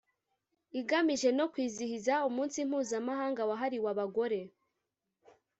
igamije no kwizihiza Umunsi Mpuzamahanga wahariwe Abagore